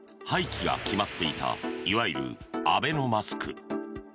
廃棄が決まっていたいわゆるアベノマスク。